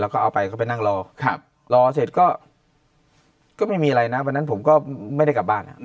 แล้วก็เอาไปเขาไปนั่งรอครับรอเสร็จก็ไม่มีอะไรนะวันนั้นผมก็ไม่ได้กลับบ้าน